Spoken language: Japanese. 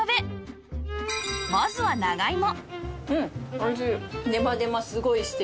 まずは長芋